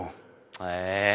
へえ！